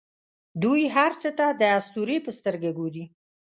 دوی هر څه ته د اسطورې په سترګه ګوري.